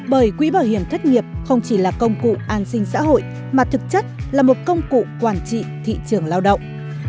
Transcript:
bởi quỹ bảo hiểm thất nghiệp không chỉ là công cụ an sinh xã hội mà thực chất là một công cụ quản trị thị trường lao động